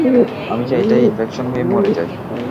আমি চাই এটায় ইনফেকশন হয়ে মরে যাই।